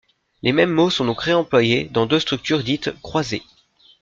Les mêmes mots sont donc réemployés, dans deux structures dites croisées.